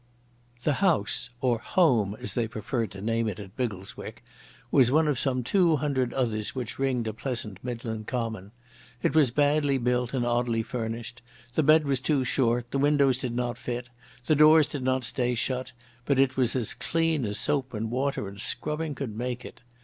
The house—or "home" as they preferred to name it at Biggleswick—was one of some two hundred others which ringed a pleasant Midland common. It was badly built and oddly furnished; the bed was too short, the windows did not fit, the doors did not stay shut; but it was as clean as soap and water and scrubbing could make it.